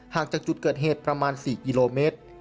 จากจุดเกิดเหตุประมาณ๔กิโลเมตร